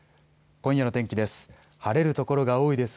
今夜の天気です。